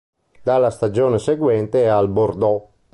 Dalla stagione seguente è al Bordeaux.